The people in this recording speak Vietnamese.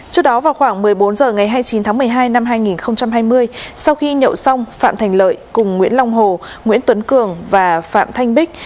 trước đó vào khoảng một mươi bốn h ngày hai mươi chín tháng một mươi hai năm hai nghìn hai mươi sau khi nhậu xong phạm thành lợi cùng nguyễn long hồ nguyễn tuấn cường và phạm thanh bích